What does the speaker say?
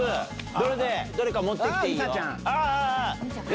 どれか持って来ていいよ。